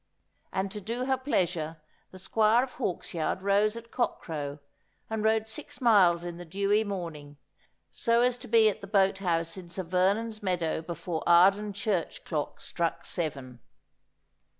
And to do her pleasure the Squire of Hawksyard rose at cockcrow and rode six miles in the dewy morning, so as to be at the boat house in Sir Vernon's meadow before Arden church clock struck seven.